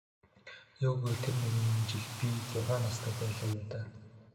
Юу гэвэл тэр нэгэн жил би зургаан настай байлаа юу даа.